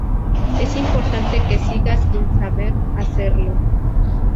Es importante que sigan sin saber hacerlo".